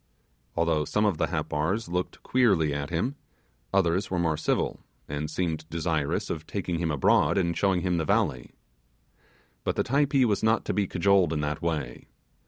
Although some of the Happars looked queerly at him, others were more civil, and seemed desirous of taking him abroad and showing him the valley. But the Typee was not to be cajoled in that way.